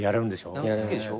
好きでしょ？